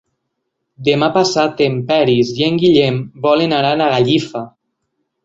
Demà passat en Peris i en Guillem volen anar a Gallifa.